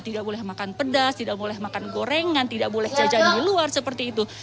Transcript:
tidak boleh makan pedas tidak boleh makan gorengan tidak boleh jajan di luar seperti itu